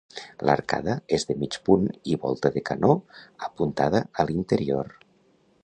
L'arcada és de mig punt i volta de canó apuntada a l'interior.